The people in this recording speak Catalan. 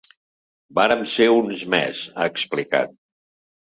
Vàrem ser uns més, ha explicat.